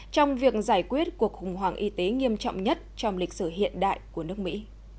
trong việc giải quyết cuộc khủng hoảng y tế nghiêm trọng nhất trong lịch sử hiện đại của nước mỹ